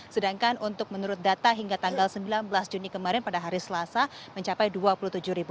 sedangkan untuk menurut data hingga tanggal sembilan belas juni kemarin pada hari selasa mencapai dua puluh tujuh ribu